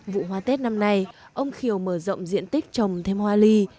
vụ hoa tết năm nay ông khiều mở rộng diện tích trồng thêm hoa ly